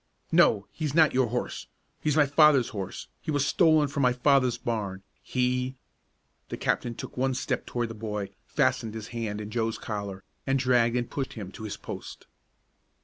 "No, he's not your horse! He's my father's horse. He was stolen from my father's barn. He " The captain took one step toward the boy, fastened his hand in Joe's collar, and dragged and pushed him to his post.